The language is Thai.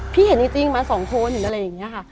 พี่เห็นจริงมาสองคนหรืออะไรอย่างเงี้ยค่ะ